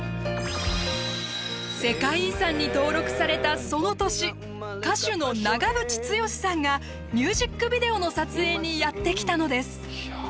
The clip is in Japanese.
世界遺産に登録されたその年歌手の長渕剛さんがミュージックビデオの撮影にやって来たのです。